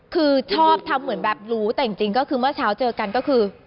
คือชอบทำเหมือนแบบรู้แต่จริงก็คือเมื่อเช้าเจอกันก็คือ